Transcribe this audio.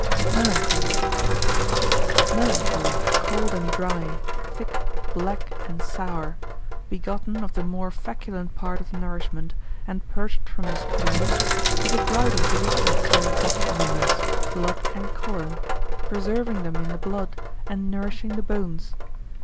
Melancholy.] Melancholy, cold and dry, thick, black, and sour, begotten of the more feculent part of nourishment, and purged from the spleen, is a bridle to the other two hot humours, blood and choler, preserving them in the blood, and nourishing the bones.